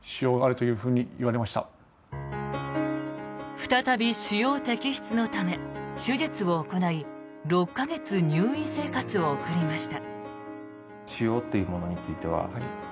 再び腫瘍摘出のため手術を行い６か月、入院生活を送りました。